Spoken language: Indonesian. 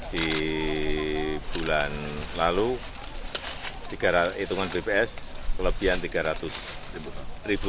di bulan lalu hitungan bps kelebihan rp tiga ratus